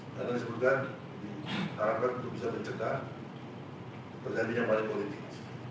dan disebutkan diharapkan untuk bisa mencegah terjadinya manipolitik